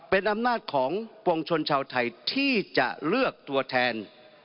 เป็นอำนาจของปวงชนชาวไทยที่จะเลือกตัวแทน